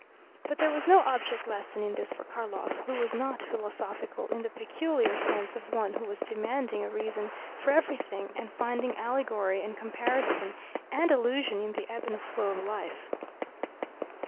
But there was no object lesson in this for Karlov, who was not philosophical in the peculiar sense of one who was demanding a reason for everything and finding allegory and comparison and allusion in the ebb and flow of life.